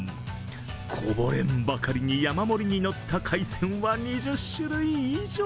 こぼれんばかりに山盛りにのった海鮮は２０種類以上。